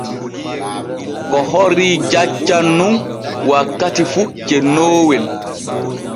Ko horii jaccan nun wakkati fu cennoowel.